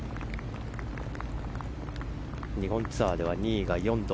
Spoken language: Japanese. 日本ツアーでは２位が４度。